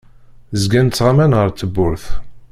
Zgan ttɣaman ar tewwurt.